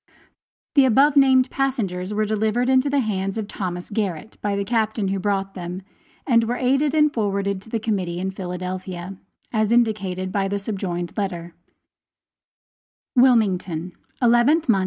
The above named passengers were delivered into the hands of Thomas Garrett by the Captain who brought them, and were aided and forwarded to the Committee in Philadelphia, as indicated by the subjoined letter: WILMINGTON, 11th mo.